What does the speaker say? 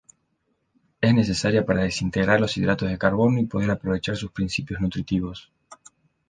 Es necesaria para desintegrar los hidratos de carbono y poder aprovechar sus principios nutritivos.